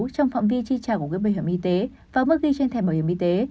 trong phạm vi chi trả của quỹ bảo hiểm y tế và mức ghi trên thẻ bảo hiểm y tế